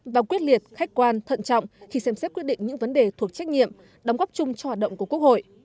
và quyết liệt khách quan thận trọng khi xem xét quyết định những vấn đề thuộc trách nhiệm đóng góp chung cho hoạt động của quốc hội